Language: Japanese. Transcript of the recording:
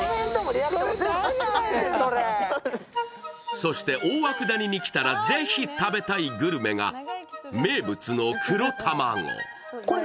そして大涌谷に来たらぜひ食べたいグルメが名物の黒たまご。